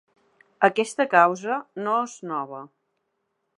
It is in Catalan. Aquesta causa no és nova.